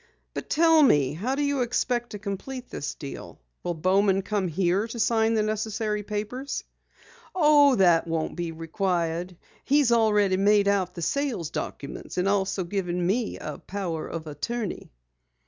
"But tell me, how do you expect to complete this deal? Will Bowman come here to sign the necessary papers?" "Oh, that won't be required. He's already made out the sales documents, and also given me a power of attorney."